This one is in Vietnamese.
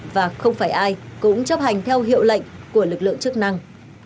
và không phải ai cũng chấp hành theo hiệu lệnh của lực lượng chức năng